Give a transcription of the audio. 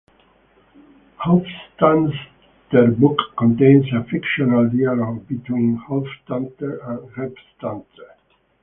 Hofstadter's book contains a fictional dialogue between Hofstadter and Gebstadter.